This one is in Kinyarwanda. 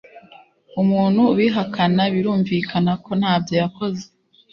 umuntu ubihakana birumvikana ko ntabyo yakoze